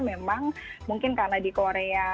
memang mungkin karena di korea